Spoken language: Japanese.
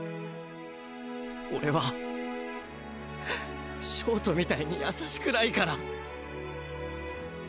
俺は焦凍みたいに優しくないから。